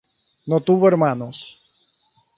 No tuvo hermanos.